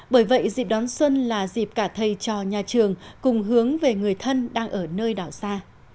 bởi vậy dịp đón xuân là dịp cả thầy trò nhà trường cùng hướng về người thân đang ở nơi đảo xa